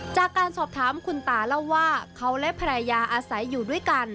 จากการสอบถามคุณตาเล่าว่าเขาและภรรยาอาศัยอยู่ด้วยกัน